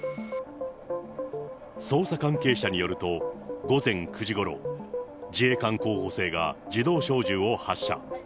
捜査関係者によると、午前９時ごろ、自衛官候補生が自動小銃を発射。